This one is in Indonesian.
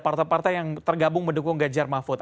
partai partai yang tergabung mendukung ganjar mahfud